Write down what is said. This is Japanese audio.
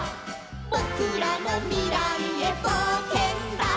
「ぼくらのみらいへぼうけんだ」